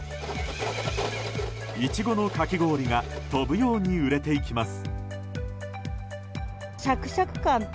イチゴのかき氷が飛ぶように売れていきます。